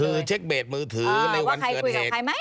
คือเช็คเบสมือถือในวันเกิดเหตุ